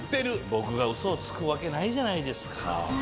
僕がウソをつくわけないじゃないですか。